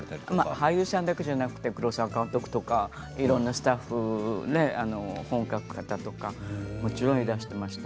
俳優さんだけではなく黒澤監督とかいろんなスタッフ本を書く方もちろんいらしていました。